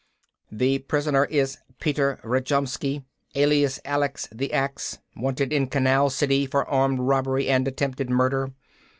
"The prisoner is Peter Rakjomskj, alias Alex the Axe, wanted in Canal City for armed robbery and attempted murder.